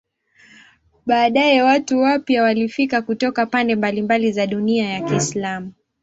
Baadaye watu wapya walifika kutoka pande mbalimbali za dunia ya Kiislamu.